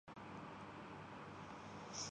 لیکن ان ڈراموں کے آگے ایک خلاہے۔